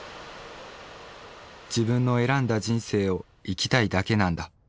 「自分の選んだ人生を生きたいだけなんだ」。